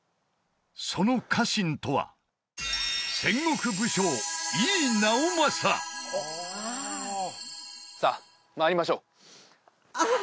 その家臣とはさあ参りましょうああっ！